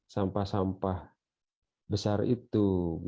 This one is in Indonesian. sampah sampah besar itu